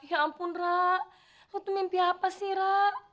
ya ampun ra lo tuh mimpi apa sih ra